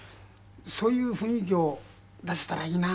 そういう雰囲気を出せたらいいな。